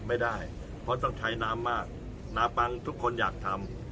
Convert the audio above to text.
ไม่ได้เพราะต้องใช้น้ำมากน้ำปังทุกคนอยากทำ